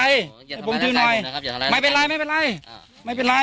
ให้ผมทื้อหน่อยสิเป็นอะไรไม่เป็นไรไม่เป็นไรไม่เป็นไร